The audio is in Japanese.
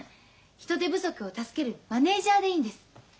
人手不足を助けるマネージャーでいいんです。